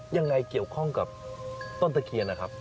ยังไงเกี่ยวข้องกับต้นตะเคียนนะครับ